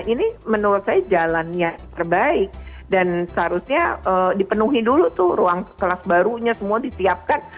ini menurut saya jalannya terbaik dan seharusnya dipenuhi dulu tuh ruang kelas barunya semua disiapkan